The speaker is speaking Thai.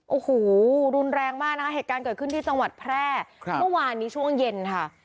โอ้โหรุนแรงมากนะคะเหตุการณ์เกิดขึ้นที่จังหวัดแพร่ครับเมื่อวานนี้ช่วงเย็นค่ะ